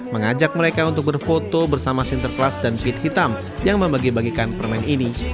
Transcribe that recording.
mengajak mereka untuk berfoto bersama sinterklas dan pit hitam yang membagi bagikan permen ini